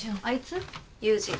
あいつ？